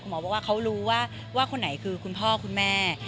บอกว่าเขารู้ว่าคนไหนคือคุณพ่อคุณแม่